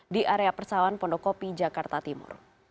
di area persahuan pondok kopi jakarta timur